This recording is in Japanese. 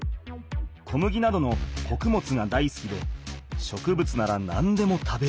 小麦などのこくもつがだいすきで植物なら何でも食べる。